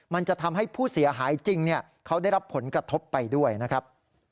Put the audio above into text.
มันจะทำให้ผู้เสียหายจริงเขาได้รับผลกระทบไปด้วยนะครับ